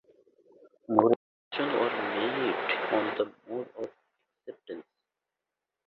No restrictions were made on the mode of acceptance.